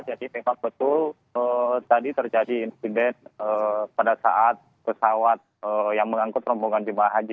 jadi tempat betul tadi terjadi insiden pada saat pesawat yang mengangkut rombongan jemaah haji